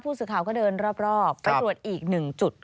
ผู้สิข่าก็เดินรอบไปตรวจอีก๑จุด